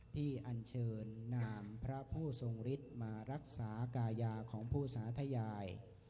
อันเชิญนามพระผู้ทรงฤทธิ์มารักษากายยาของผู้สาธยาย